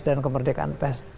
dan kemerdekaan pers